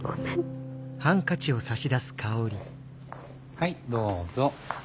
はいどうぞ。